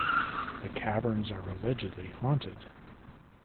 The Caverns are allegedly haunted.